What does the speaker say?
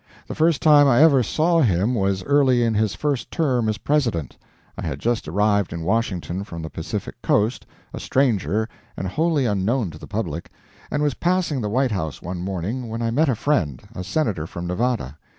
The first time I ever saw him was early in his first term as President. I had just arrived in Washington from the Pacific coast, a stranger and wholly unknown to the public, and was passing the White House one morning when I met a friend, a Senator from Nevada.